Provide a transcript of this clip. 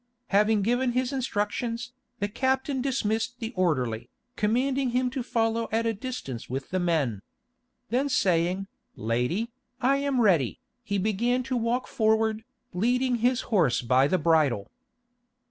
Having given his instructions, the captain dismissed the orderly, commanding him to follow at a distance with the men. Then saying, "Lady, I am ready," he began to walk forward, leading his horse by the bridle.